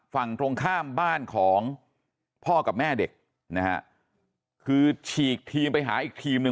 ฝั่งตรงข้ามบ้านของพ่อกับแม่เด็กนะฮะคือฉีกทีมไปหาอีกทีมหนึ่ง